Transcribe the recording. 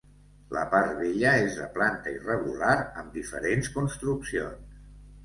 La part vella és de planta irregular amb diferents construccions.